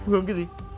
tháp hương cái gì